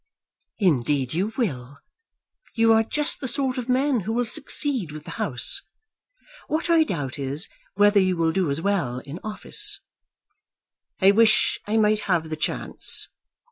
"Indeed you will. You are just the sort of man who will succeed with the House. What I doubt is, whether you will do as well in office." "I wish I might have the chance."